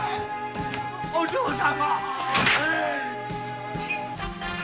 お嬢様。